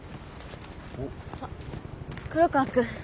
あ黒川くん。